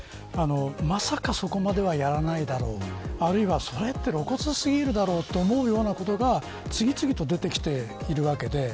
まさか、そこまではやらないだろうあるいは、それは露骨すぎるだろうと思うようなことが次々と出てきているわけで。